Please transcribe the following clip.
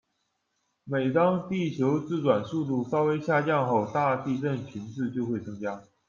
每当地球自转速度稍微下降后，大地震频次就会增加。